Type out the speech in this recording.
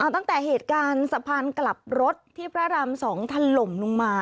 ตั้งแต่เหตุการณ์สะพานกลับรถที่พระราม๒ถล่มลงมา